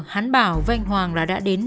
hắn bảo với anh hoàng là đã đến